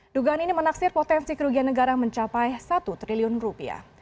dugaan ini menaksir potensi kerugian negara mencapai satu triliun rupiah